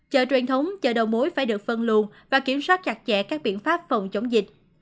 chợ truyền thống chợ đầu mối phải được phân luồn và kiểm soát chặt chẽ các biện pháp phòng chống dịch